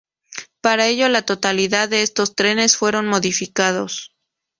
Para ello la totalidad de estos trenes fueron modificados.